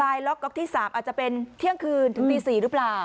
ล็อกก๊อกที่๓อาจจะเป็นเที่ยงคืนถึงตี๔หรือเปล่า